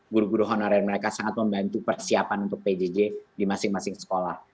guru guru honorer mereka sangat membantu persiapan untuk pjj di masing masing sekolah